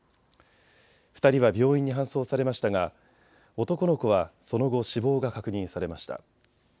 ２人は病院に搬送されましたが男の子はその後、死亡が確認されました。